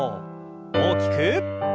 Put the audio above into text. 大きく。